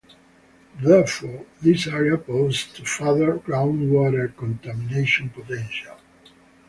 Therefore this area posed no further groundwater contamination potential.